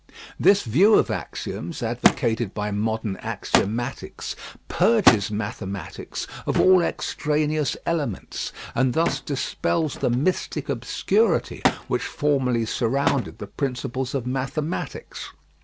This view of axioms, advocated by modern axiomatics, purges mathematics of all extraneous elements, and thus dispels the mystic obscurity which formerly surrounded the principles of mathematics.